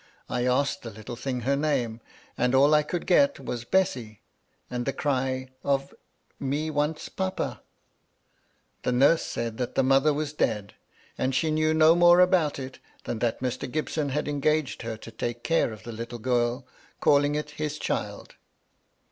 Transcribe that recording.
I asked the little thing her name, and all I could get was * Bessy !' and a cry of 'Me wants papa 1' The nurse said the mother was dead, and she knew no more about it than that Mr. Gibson had engaged her to take care of the little ^rl, calling it his child.